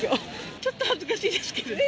ちょっと恥ずかしいですけど。